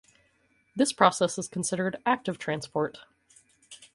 This process is considered active transport.